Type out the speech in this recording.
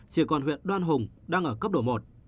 chỉ còn huyện đoan hùng đang ở cấp độ một